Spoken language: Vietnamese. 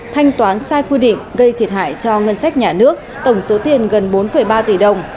thanh toán sai quy định gây thiệt hại cho ngân sách nhà nước tổng số tiền gần bốn ba tỷ đồng